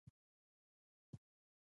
وسله د درک له منځه وړونکې ده